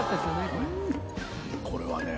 これはね